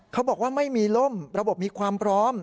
เขาบอกว่าไม่มีล่มระบบมีความพร้อม